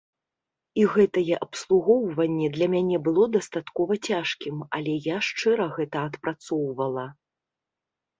І гэтае абслугоўванне для мяне было дастаткова цяжкім, але я шчыра гэта адпрацоўвала.